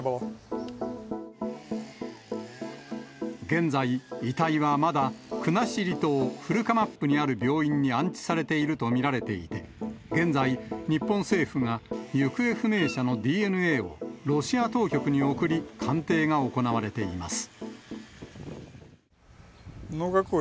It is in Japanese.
現在、遺体はまだ国後島古釜布にある病院に安置されていると見られていて、現在、日本政府が行方不明者のＤＮＡをロシア当局に送り、鑑定が行われています。